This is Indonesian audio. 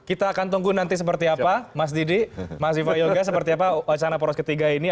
kita akan tunggu nanti seperti apa mas didi mas viva yoga seperti apa wacana poros ketiga ini